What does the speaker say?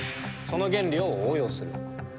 その原理を応用する。